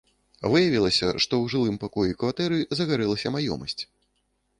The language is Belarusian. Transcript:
Выявілася, што ў жылым пакоі кватэры загарэлася маёмасць.